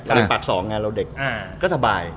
ก็เป็นปากส่องแล้วเด็กก็สบาย